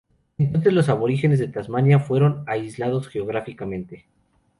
Entonces, los aborígenes de Tasmania fueron aislados geográficamente.